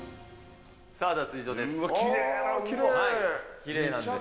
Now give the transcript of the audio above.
さあ、脱衣所です。